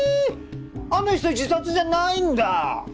あの人自殺じゃないんだ！